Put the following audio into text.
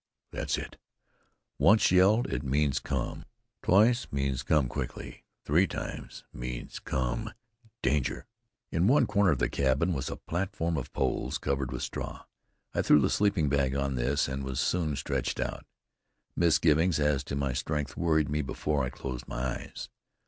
That's it. Once yelled it means come. Twice means comes quickly. Three times means come danger!" In one corner of the cabin was a platform of poles, covered with straw. I threw the sleeping bag on this, and was soon stretched out. Misgivings as to my strength worried me before I closed my eyes.